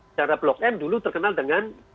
secara blok m dulu terkenal dengan